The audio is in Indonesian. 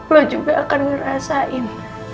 lo juga akan ngerasain